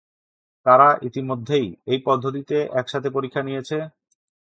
কারা ইতিমধ্যেই এই পদ্ধতিতে একসাথে পরীক্ষা নিয়েছে?